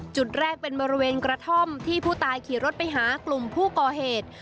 จุดแรกเป็นบริเวณกระท่อมที่ผู้ตายขี่รถไปหากลุ่มผู้ก่อเหตุ